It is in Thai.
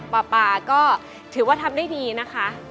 ปลาปลาก็ถือว่าทำได้ดีนะคะ